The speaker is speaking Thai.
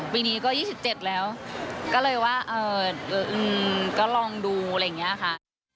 ปีนี้ก็๒๗แล้วก็เลยว่าก็ลองดูอะไรอย่างนี้ค่ะ